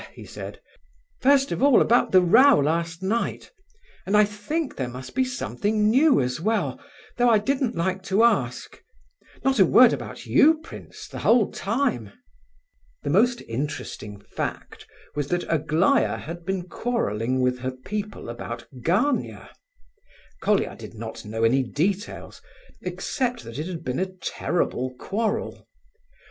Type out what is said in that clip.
he said. "First of all about the row last night, and I think there must be something new as well, though I didn't like to ask. Not a word about you, prince, the whole time! The most interesting fact was that Aglaya had been quarrelling with her people about Gania. Colia did not know any details, except that it had been a terrible quarrel!